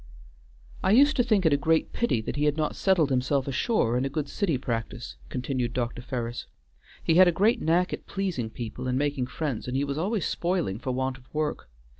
"I used to think it a great pity that he had not settled himself ashore in a good city practice," continued Dr. Ferris. "He had a great knack at pleasing people and making friends, and he was always spoiling for want of work.